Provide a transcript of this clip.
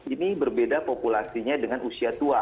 ini berbeda populasinya dengan usia tua